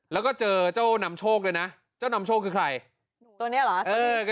แล้วก็เจอเจ้านำโชคด้วยนะเจ้านำโชคคือใครหนูตัวนี้เหรอ